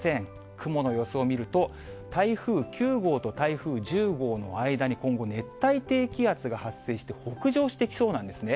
雲の様子を見ると、台風９号と台風１０号の間に今後、熱帯低気圧が発生して、北上してきそうなんですね。